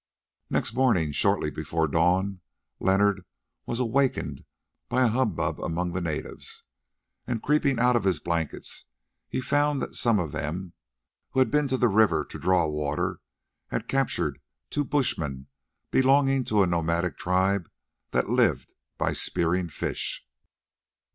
Next morning, shortly before dawn, Leonard was awakened by a hubbub among the natives, and creeping out of his blankets, he found that some of them, who had been to the river to draw water, had captured two bushmen belonging to a nomadic tribe that lived by spearing fish.